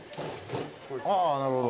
あなるほど。